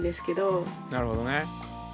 なるほどね。